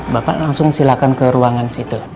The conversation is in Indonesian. bapak langsung silakan ke ruangan situ